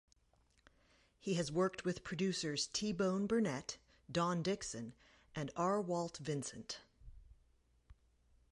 He has worked with producers T-Bone Burnett, Don Dixon, and R. Walt Vincent.